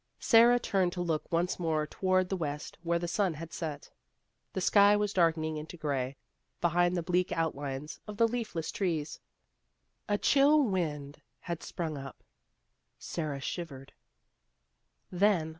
Sara turned to look once more towards the west where the sun had set. The sky was darkening into gray, behind the bleak outlines of the leafless trees. A chill wind had sprung up. Sara shivered.